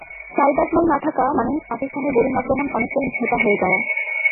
সাঈদ আজমল না-থাকা মানে পাকিস্তানের বোলিং আক্রমণ অনেকটাই ভোঁতা হয়ে যাওয়া।